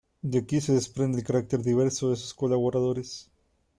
De aquí se desprende el carácter diverso de sus colaboradores.